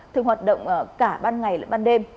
thường hoạt động cả ban ngày lại ban đêm